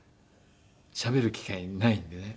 しゃべる機会ないんでね。